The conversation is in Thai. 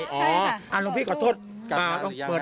หลวงพี่ขันออกมาเลยค่ะ